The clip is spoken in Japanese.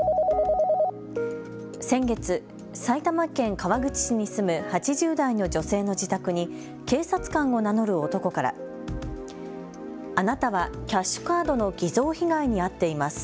先月、埼玉県川口市に住む８０代の女性の自宅に警察官を名乗る男からあなたはキャッシュカードの偽造被害に遭っています。